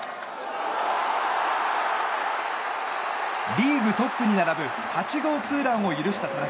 リーグトップに並ぶ８号ツーランを許した田中。